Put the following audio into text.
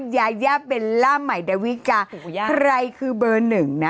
ยายาเบลล่าใหม่ดาวิกาใครคือเบอร์หนึ่งนะ